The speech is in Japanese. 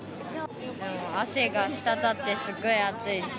汗が滴ってすごい暑いです。